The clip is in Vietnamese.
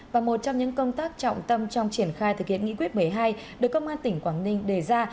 và một trong những công tác trọng tâm trong triển khai thực hiện nghị quyết một mươi hai được công an tỉnh quảng ninh đề ra